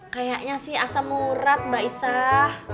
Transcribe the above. kayaknya sih asam murah mbak isah